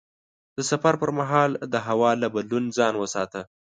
د سفر پر مهال د هوا له بدلون ځان وساته.